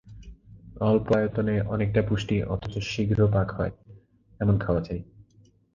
অল্প আয়তনে অনেকটা পুষ্টি অথচ শীঘ্র পাক হয়, এমন খাওয়া চাই।